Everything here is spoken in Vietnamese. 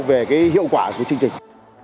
về hiệu quả của chương trình